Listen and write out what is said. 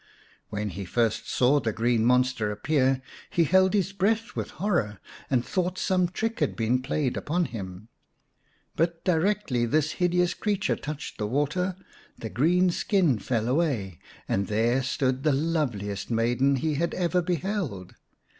When he first saw the green monster appear he held his breath with horror, and thought some trick had been played upon him. But directly this hideous creature touched the water the green skin fell away, and there stood the loveliest maiden he had ever beheld.